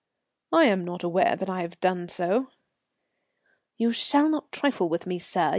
"I am not aware that I have done so." "You shall not trifle with me, sir.